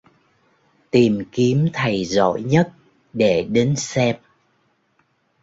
Tìm kiếm thầy giỏi nhất để đến xem